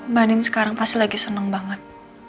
mbak nin sekarang pasti lagi senang banget